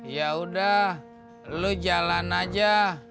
ya udah lu jalan aja